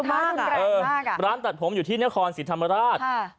ร้านตัดผมอยู่ที่นครศิลปรราชษ์อยู่ที่นครศิลปรราชษ์